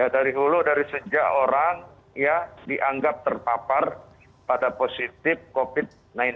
dari hulu dari sejak orang dianggap terpapar pada positif covid sembilan belas